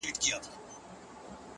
پر نرۍ لښته زنګېده- اخیر پرېشانه سوله-